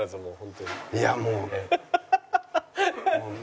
いやもう。